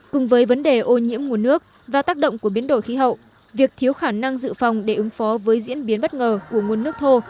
cùng với vấn đề ô nhiễm nguồn nước và tác động của biến đổi khí hậu việc thiếu khả năng dự phòng để ứng phó với diễn biến bất ngờ của nguồn nước thô